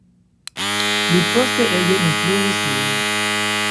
Li poste ege influis lin.